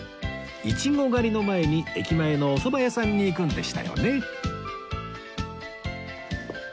イチゴ狩りの前に駅前のおそば屋さんに行くんでしたよね